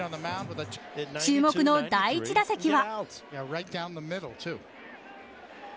注目の第１打席は。